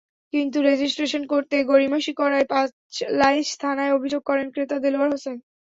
কিন্তু রেজিস্ট্রেশন করতে গড়িমসি করায় পাঁচলাইশ থানায় অভিযোগ করেন ক্রেতা দেলোয়ার হোসেন।